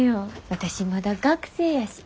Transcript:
私まだ学生やし。